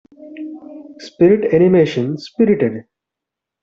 Spirit animation Spirited